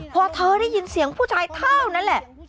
พอเธอได้ยินเสียงผู้ชายเท่านั้นแหละ